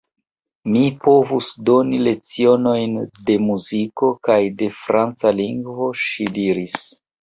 Mi povus doni lecionojn de muziko kaj de franca lingvo, ŝi diris.